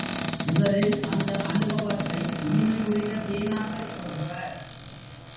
முதலில் அந்த அநுபவத்தை இனிமையுடைய தேனாகச் சொல்கிறார்.